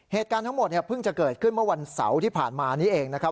เหตุการณ์ทั้งหมดเนี่ยเพิ่งจะเกิดขึ้นเมื่อวันเสาร์ที่ผ่านมานี้เองนะครับ